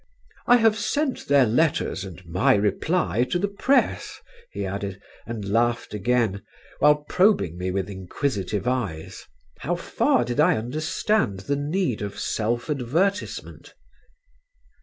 "I have sent their letters and my reply to the press," he added, and laughed again, while probing me with inquisitive eyes: how far did I understand the need of self advertisement?